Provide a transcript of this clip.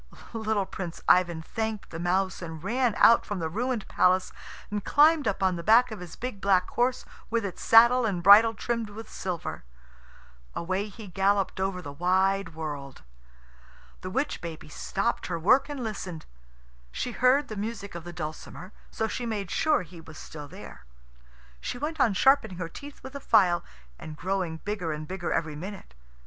Little Prince Ivan thanked the mouse, and ran out from the ruined palace, and climbed up on the back of his big black horse, with its saddle and bridle trimmed with silver. Away he galloped over the wide world. The witch baby stopped her work and listened. She heard the music of the dulcimer, so she made sure he was still there. She went on sharpening her teeth with a file, and growing bigger and bigger every minute.